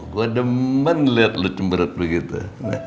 gue demen liat lu cemberut begitu